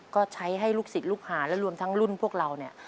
ก็ใช้ให้ลูกศิษย์ลูกหาและรวมทั้งรุ่นพวกเราเนี่ย